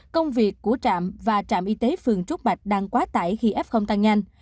công việc của trạm và trạm y tế phường trúc bạch đang quá tải khi f tăng nhanh